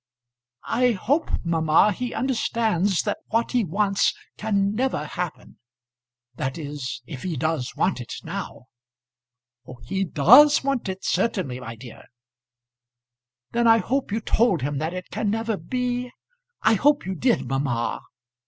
"I hope, mamma, he understands that what he wants can never happen; that is if he does want it now?" "He does want it certainly, my dear." "Then I hope you told him that it can never be? I hope you did, mamma!"